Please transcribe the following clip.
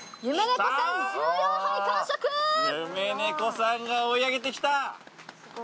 夢猫さんが追い上げてきた。